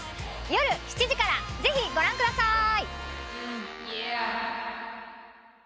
夜７時からぜひご覧ください。